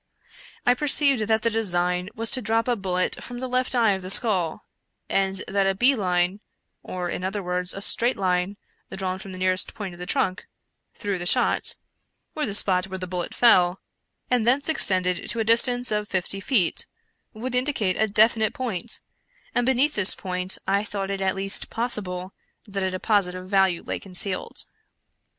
I perceived that the design was to drop a bullet from the left eye of the skull, and that a bee line, or, in other words, a straight line, drawn from the nearest point of the trunk 'through the shot' (or the spot where the bullet fell), and thence extended to a dis tance of fifty feet, would indicate a definite point — and beneath this point I thought it at least possible that a deposit of value lay concealed."